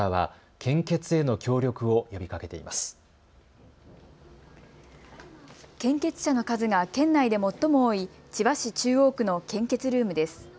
献血者の数が県内で最も多い千葉市中央区の献血ルームです。